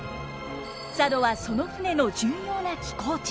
佐渡はその船の重要な寄港地。